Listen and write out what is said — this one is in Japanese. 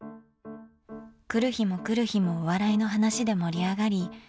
来る日も来る日もお笑いの話で盛り上がり